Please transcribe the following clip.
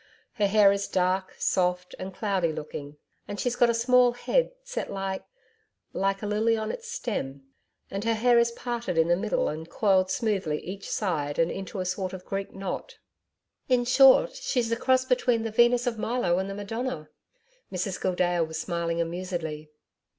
Her hair is dark, soft and cloudy looking. And she's got a small head set like like a lily on its stem and her hair is parted in the middle and coiled smoothly each side and into a sort of Greek knot....' 'In short, she's a cross between the Venus of Milo and the Madonna.' Mrs Gildea was smiling amusedly.